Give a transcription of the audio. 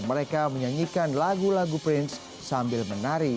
mereka menyanyikan lagu lagu prince sambil menari